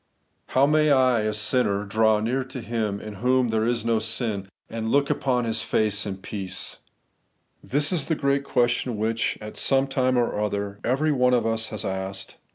TTOW may I, a sinner, draw near to Him in *—* whom there is no sin, and look upon His face in peace ? This is the great question which, at some time or other, every one of us has asked.